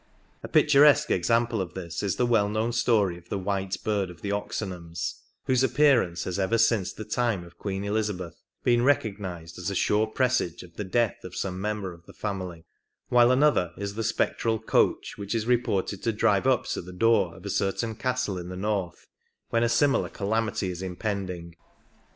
A picturesque example of this is 73 the well known story of the white bird of the Oxenhams, whose appearance has ever since the time of Queen Elizabeth been recognized as a sure presage of the death of some member of the family ; while another is the spectral coach which is reported to drive up to the door of a certain castle in the north when a similar calamity is impending.